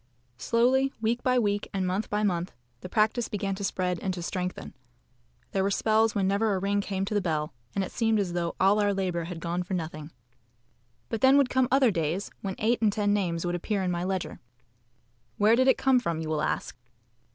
Slowly, week by week, and month by month, the practice began to spread and to strengthen. There were spells when never a ring came to the bell, and it seemed as though all our labour had gone for nothing but then would come other days when eight and ten names would appear in my ledger. Where did it come from you will ask.